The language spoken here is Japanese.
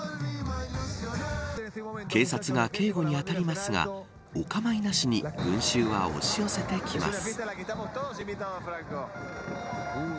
警察が警護に当たりますがお構いなしに群衆は押し寄せてきます。